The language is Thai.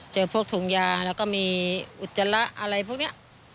เจอพวกถุงยาแล้วก็มีอุจจาระอะไรพวกนี้